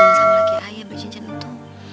ibu haji sama laki ayah berjincin itu